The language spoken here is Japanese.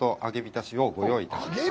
たしをご用意しました。